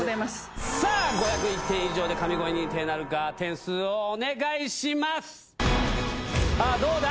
さあ、５０１点以上で神声認定なるか、点数をお願いします。